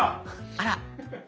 あら！